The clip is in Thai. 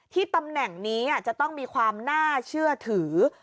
ตำแหน่งนี้จะต้องมีความน่าเชื่อถือ